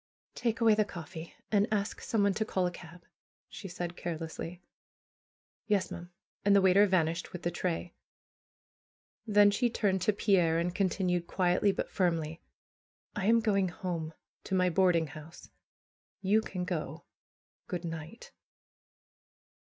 ^Take away the coffee, and ask someone to call a cab," she said carelessly. ^^Yes, ma'am!" And the waiter vanished with the tray. Then she turned to Pierre, and continued quietly, but firmly: "1 am going home, to my boarding house. You can go ! Good night